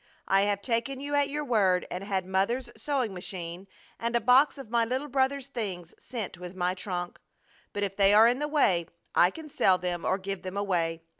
I have taken you at your word and had mother's sewing machine and a box of my little brother's things sent with my trunk. But if they are in the way I can sell them or give them away.